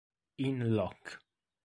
In Loc.